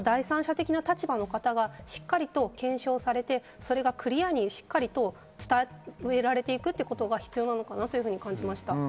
第三者的な立場の方がしっかり検証されて、それをクリアに伝えられていくということが大切なのかなと思いました。